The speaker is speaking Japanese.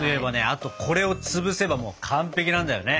あとこれをつぶせばもう完璧なんだよね。